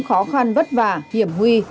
khó khăn vất vả hiểm huy